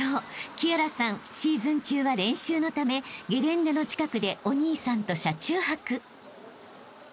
姫明麗さんシーズン中は練習のためゲレンデの近くでお兄さんと車中泊］